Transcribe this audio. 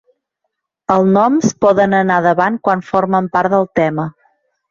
El noms poden anar davant quan formen part del tema.